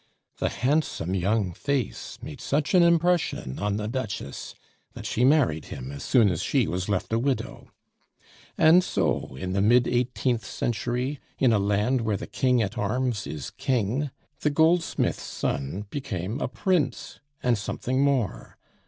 The handsome young face made such an impression on the Duchess that she married him as soon as she was left a widow. And so in the mid eighteenth century, in a land where the king at arms is king, the goldsmith's son became a prince, and something more.